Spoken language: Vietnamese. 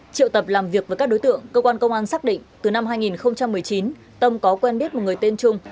triệu tập làm việc với các đối tượng cơ quan công an xác định từ năm hai nghìn một mươi chín tâm có quen biết một người tên trung